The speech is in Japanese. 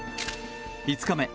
５日目。